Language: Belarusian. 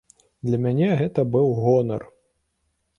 Для мяне гэта быў гонар.